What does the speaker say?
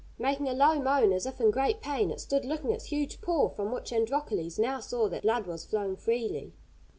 Making a low moan as if in great pain, it stood licking its huge paw, from which Androcles now saw that blood was flowing freely.